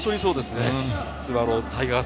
スワローズ、タイガース